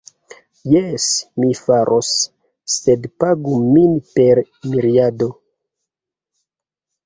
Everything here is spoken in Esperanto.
Jes, mi faros. Sed pagu min per miriado